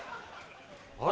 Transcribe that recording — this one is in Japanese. ・あれ？